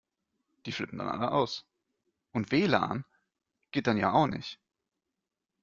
Die flippen dann alle aus. Und W-Lan geht dann ja auch nicht.